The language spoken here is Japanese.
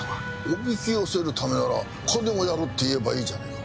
おびきよせるためなら金をやるって言えばいいじゃないか。